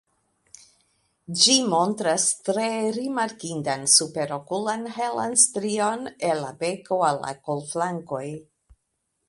Ĝi montras tre rimarkindan superokulan helan strion el la beko al la kolflankoj.